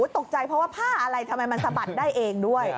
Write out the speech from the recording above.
ตกใจเพราะว่าผ้าอะไรทำไมมันสะบัดได้เองด้วย